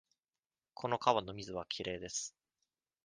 この川の水はきれいです。